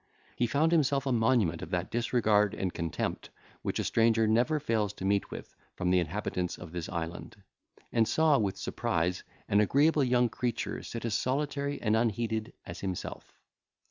He found himself a monument of that disregard and contempt which a stranger never fails to meet with from the inhabitants of this island; and saw, with surprise, an agreeable young creature sit as solitary and unheeded as himself.